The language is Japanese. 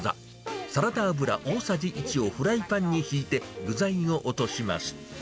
サラダ油大さじ１をフライパンに引いて、具材を落とします。